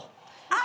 あ！